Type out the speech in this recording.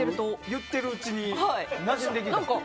言ってるうちになじんできた。